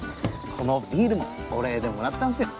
このビールもお礼でもらったんすよ。